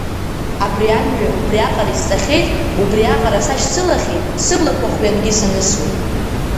Абри амҩа убри аҟара исҵахьеит, убри аҟара сашьцылахьеит, сыблақәа хҩангьы санысуеит.